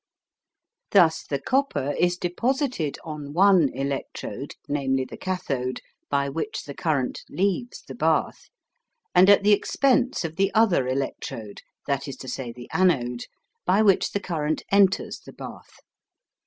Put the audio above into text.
Thus the copper is deposited on one electrode, namely, the cathode, by which the current leaves the bath, and at the expense of the other electrode, that is to say, the anode, by which the current enters the bath.